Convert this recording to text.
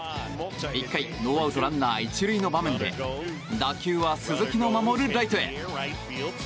１回、ノーアウトランナー１塁の場面で打球は鈴木の守るライトへ。